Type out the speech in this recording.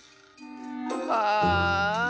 ああ。